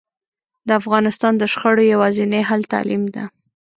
د افغانستان د شخړو یواځینی حل تعلیم ده